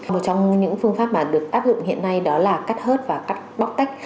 một trong những phương pháp mà được áp dụng hiện nay đó là cắt hớt và cắt bóc tách